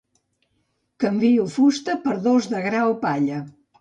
Canvio fusta per dos de gra o palla.